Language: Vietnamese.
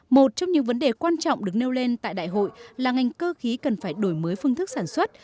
một trong những vấn đề quan trọng được nêu lên tại đại hội là ngành cơ khí cần phải đổi mới phương thức sản xuất